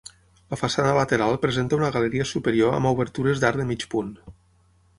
La façana lateral presenta una galeria superior amb obertures d'arc de mig punt.